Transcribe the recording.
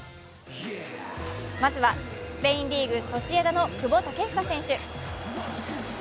まずはスペインリーグ・ソシエダの久保建英選手。